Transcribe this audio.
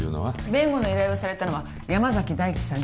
弁護の依頼をされたのは山崎大輝さん